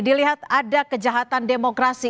dilihat ada kejahatan demokrasi